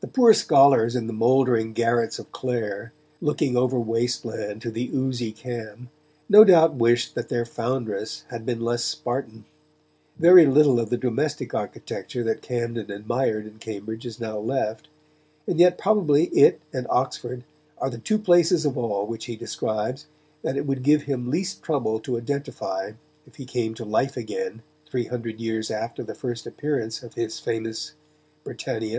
The poor scholars in the mouldering garrets of Clare, looking over waste land to the oozy Cam, no doubt wished that their foundress had been less Spartan. Very little of the domestic architecture that Camden admired in Cambridge is now left; and yet probably it and Oxford are the two places of all which he describes that it would give him least trouble to identify if he came to life again three hundred years after the first appearance of his famous Britannia.